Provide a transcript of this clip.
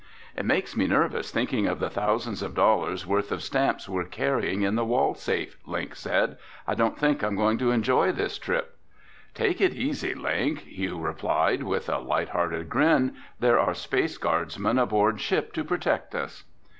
"It makes me nervous thinking of the thousands of dollars' worth of stamps we're carrying in the wall safe," Link said. "I don't think I'm going to enjoy this trip." "Take it easy, Link," Hugh replied, with a lighthearted grin. "There are Space Guardsmen aboard ship to protect us."